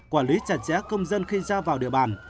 quản lý chặt chẽ công dân khi ra vào địa bàn